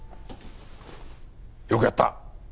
よくやった！